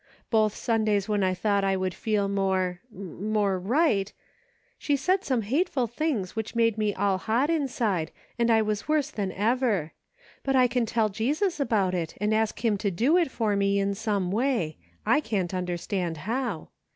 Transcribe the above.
Both Sundays when I thought I would feel more — more right, she said some hateful things which made me all hot inside, and I was worse than ever. But I can tell Jesus about it, and ask him to do it for me in some way ; I can't understand how.